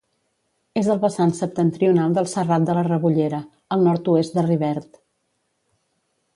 És el vessant septentrional del Serrat de la Rebollera, al nord-oest de Rivert.